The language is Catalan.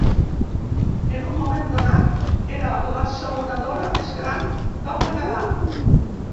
En un moment donat, era l'assaonadora més gran del Canadà.